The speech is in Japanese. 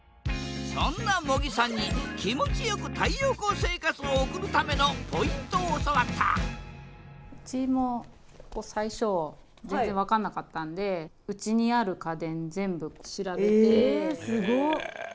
そんな茂木さんに気持ちよく太陽光生活を送るためのポイントを教わったうちも最初全然分かんなかったんでえすごっ。